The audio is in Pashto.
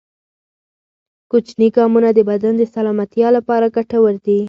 کوچني ګامونه د بدن د سلامتیا لپاره ګټور دي.